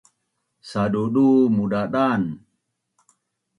Sadudu mudadan